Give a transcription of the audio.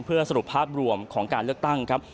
เพื่อสรุปภาพรวมของการเลือกตั้งครับ